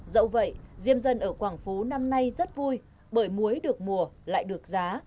dẫu vậy diêm dân ở quảng phú năm nay rất vui bởi muối được mùa lại được giá